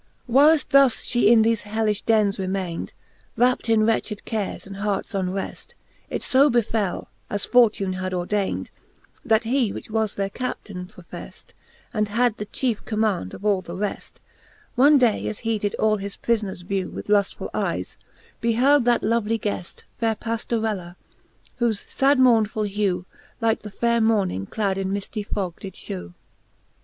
Whyleft thus flie In thefe hellifh dens remayned, Wrapped in wretched cares, and hearts unreft, It fo befell, as Fortune had ordayned, That he, which was their Capitaine profeft, And had the chiefe commaund of all the reft, One day, as he did all his prifoners vew, With luftfuU eyes beheld that lovely gueft, Faire Pajiorella ;. whofe fad mournefull hew Like the faire morning clad in mifty fog did fhew.